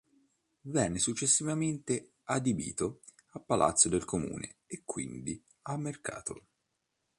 Venne successivamente adibito a palazzo del Comune e quindi a mercato.